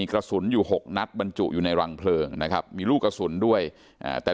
กระสุนอยู่หกนัดบรรจุอยู่ในรังเพลิงนะครับมีลูกกระสุนด้วยแต่